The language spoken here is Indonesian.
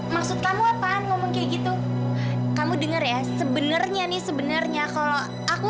maksud kamu apaan ngomong kayak gitu kamu denger ya sebenarnya nih sebenarnya kalau aku